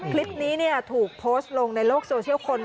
คลิปนี้ถูกโพสต์ลงในโลกโซเชียลคน